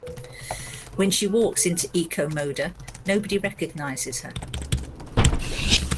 When she walks into EcoModa, nobody recognizes her.